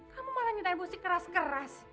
kamu malah nyundai musik keras keras